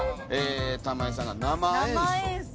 玉井さんが生演奏。